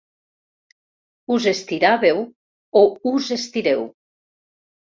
Us estiràveu o us estireu.